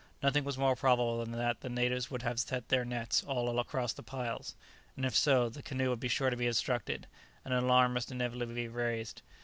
Nothing was more probable than that the natives would have set their nets all across the piles, and if so, the canoe would be sure to be obstructed, and an alarm must inevitably be raised.